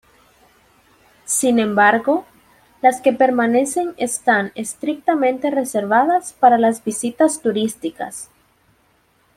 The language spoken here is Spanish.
Sin embargo, las que permanecen están estrictamente reservadas para las visitas turísticas.